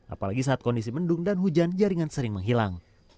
apalagi saat kondisi mendung dan hujan jaringan sering menghilang